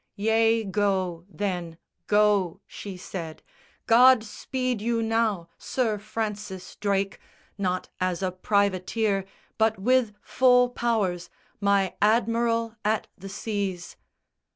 _" "Yea go, then, go," She said, "God speed you now, Sir Francis Drake, Not as a privateer, but with full powers, My Admiral at the Seas!"